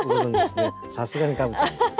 さすがにカブちゃん。